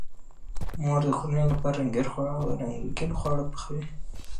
مور د کورنۍ لپاره رنګین خواړه پخوي.